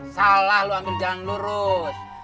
salah lu ambil jalan lurus